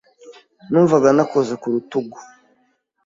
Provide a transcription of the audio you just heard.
Numvaga nakoze ku rutugu.